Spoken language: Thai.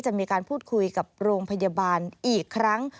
จะมีการพูดคุยกับโรงพยาบาลอีกครั้ง